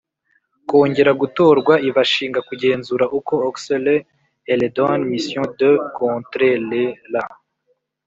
kongera gutorwa Ibashinga kugenzura uko auxquelles elle donne mission de contr ler la